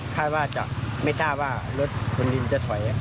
คาดว่าจะไม่ทราบว่ารถขนดินจะถอย